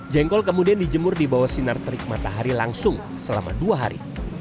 jengkol kemudian dijemur di bawah sinar terik matahari langsung selama dua hari